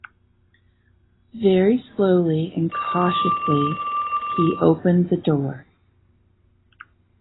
Very slowly and cautiously he opened the door.